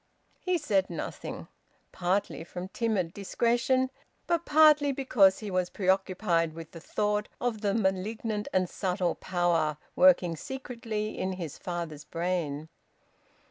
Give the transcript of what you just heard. He said nothing, partly from timid discretion, but partly because he was preoccupied with the thought of the malignant and subtle power working secretly in his father's brain.